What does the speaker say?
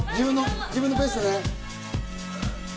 自分のペースでね。